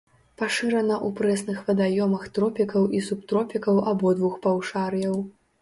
Пашырана ў прэсных вадаёмах тропікаў і субтропікаў абодвух паўшар'яў.